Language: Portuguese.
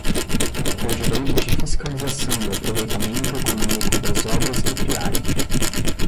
o direito de fiscalização do aproveitamento econômico das obras que criarem